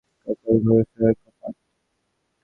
চিরদিনের মতো বন্ধ হল তার কাকার ঘরে ফেরার কপাট।